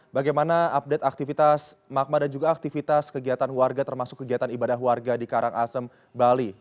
bagaimana update aktivitas magma dan juga aktivitas kegiatan warga termasuk kegiatan ibadah warga di karangasem bali